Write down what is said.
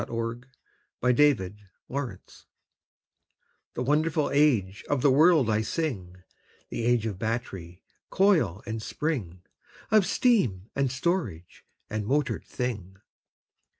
THE AGE OF MOTORED THINGS The wonderful age of the world I sing— The age of battery, coil and spring, Of steam, and storage, and motored thing.